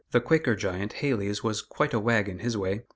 The Quaker giant, Hales, was quite a wag in his way.